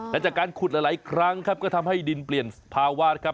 และจากการขุดหลายครั้งครับก็ทำให้ดินเปลี่ยนภาวะนะครับ